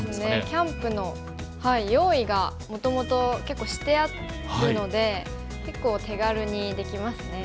キャンプの用意がもともと結構してあるので結構手軽にできますね。